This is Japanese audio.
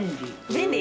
便利！